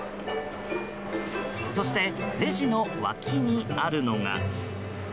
そしてレジの脇にあるのが。